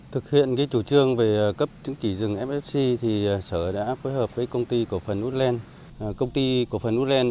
thực hiện chủ trương về cấp chứng chỉ rừng fsc thì sở đã phối hợp với công ty cổ phần woodland